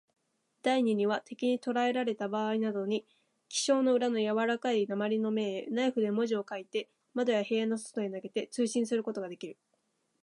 第二には、敵にとらえられたばあいなどに、記章の裏のやわらかい鉛の面へ、ナイフで文字を書いて、窓や塀の外へ投げて、通信することができる。